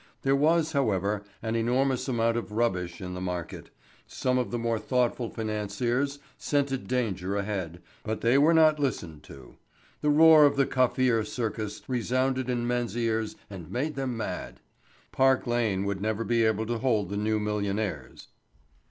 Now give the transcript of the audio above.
There was, however, an enormous amount of rubbish in the market. Some of the more thoughtful financiers scented danger ahead, but they were not listened to. The roar of the Kaffir circus resounded in men's ears and made them mad. Park Lane would never be able to hold the new millionaires.